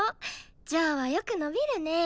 ジョアはよく伸びるねぇ。